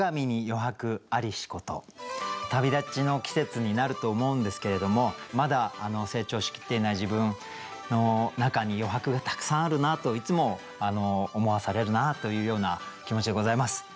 旅立ちの季節になると思うんですけれどもまだ成長しきっていない自分の中に余白がたくさんあるなといつも思わされるなというような気持ちでございます。